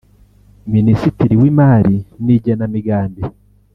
Minisitiri w’Imari n’Igenamigambi